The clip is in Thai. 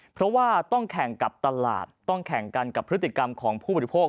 เพราะว่าต้องแข่งกับตลาดต้องแข่งกันกับพฤติกรรมของผู้บริโภค